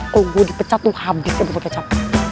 kok gue dipecat tuh habis ya buat kecap